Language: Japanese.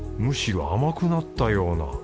むしろ甘くなったような。